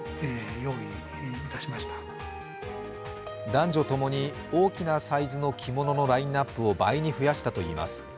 男女ともに大きなサイズの着物のラインナップを倍に増やしたといいます。